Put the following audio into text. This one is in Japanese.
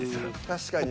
確かにね。